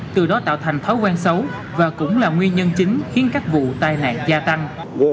từ đó tạo thành thói quen xấu và cũng là nguyên nhân chính khiến các vụ tai nạn gia tăng